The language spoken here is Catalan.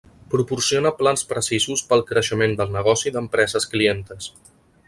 Proporciona plans precisos pel creixement del negoci d'empreses clientes.